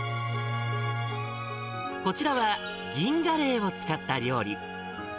こちらは銀ガレイを使った料理。